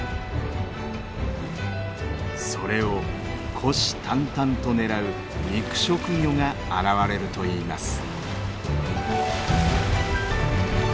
それを虎視たんたんと狙う肉食魚が現れるといいます。